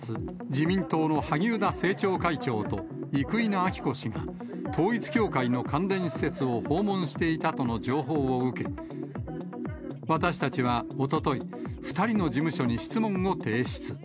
自民党の萩生田政調会長と生稲晃子氏が、統一教会の関連施設を訪問していたとの情報を受け、私たちはおととい、２人の事務所に質問を提出。